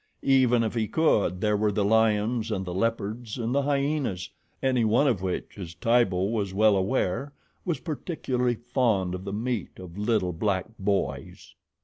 Even if he could, there were the lions and the leopards and the hyenas, any one of which, as Tibo was well aware, was particularly fond of the meat of little black boys.